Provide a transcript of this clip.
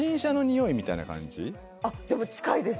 じゃああっでも近いです！